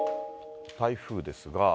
台風ですが。